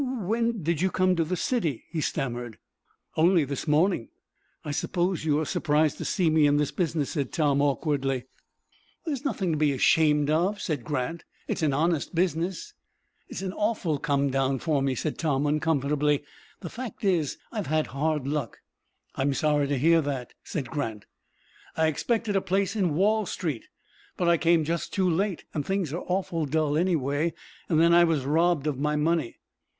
"When did you come to the city?" he stammered. "Only this morning." "I suppose you are surprised to see me in this business," said Tom, awkwardly. "There is nothing to be ashamed of," said Grant. "It is an honest business." "It's an awful come down for me," said Tom, uncomfortably. "The fact is, I've had hard luck." "I am sorry to hear that," said Grant. "I expected a place in Wall Street, but I came just too late, and things are awful dull anyway. Then I was robbed of my money."